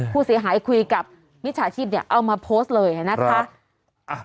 ผู้เสียหายคุยกับมิตรชาชีพเนี้ยเอามาโพสต์เลยนะครับครับอ่ะ